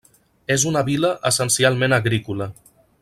És una vila essencialment agrícola.